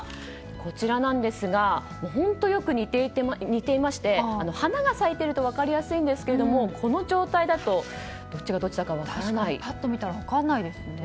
こちらなんですが本当によく似ていまして花が咲いていると分かりやすいんですがこの状態だと、どっちがどっちだか分からないですよね。